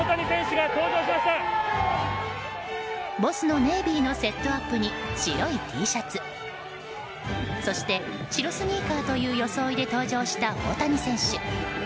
ボスのネイビーのセットアップに白いＴシャツそして白スニーカーという装いで登場した大谷選手。